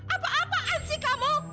apa apaan sih kamu